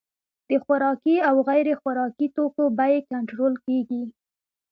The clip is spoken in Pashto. د خوراکي او غیر خوراکي توکو بیې کنټرول کیږي.